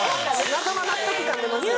謎の納得感出ますよね。